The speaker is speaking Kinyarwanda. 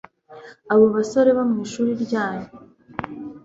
abo basore bo mwishuri ryanyu